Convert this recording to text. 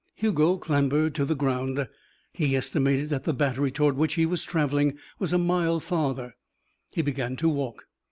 Hugo clambered to the ground. He estimated that the battery toward which he was travelling was a mile farther. He began to walk.